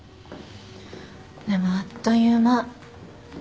でもあっという間。